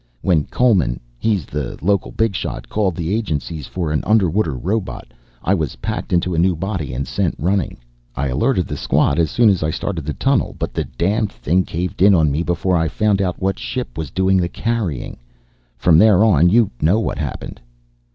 When Coleman, he's the local big shot, called the agencies for an underwater robot, I was packed into a new body and sent running. "I alerted the squad as soon as I started the tunnel, but the damned thing caved in on me before I found out what ship was doing the carrying. From there on you know what happened.